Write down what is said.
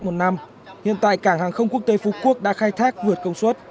một năm hiện tại cảng hàng không quốc tế phú quốc đã khai thác vượt công suất